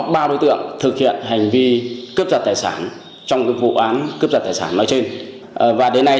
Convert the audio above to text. ba đối tượng thực hiện hành vi cướp giật tài sản trong vụ án cướp giật tài sản nói trên và đến nay